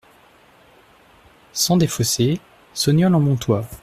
Sen des Fossés, Sognolles-en-Montois